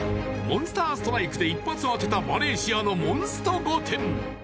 ［モンスターストライクで一発当てたマレーシアのモンスト御殿］